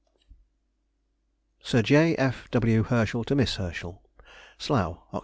SIR J. F. W. HERSCHEL TO MISS HERSCHEL. SLOUGH, _Oct.